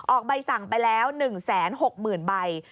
ใบสั่งไปแล้ว๑๖๐๐๐ใบ